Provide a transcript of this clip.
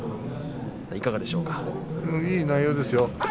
いい内容ですよ。